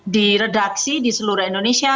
di redaksi di seluruh indonesia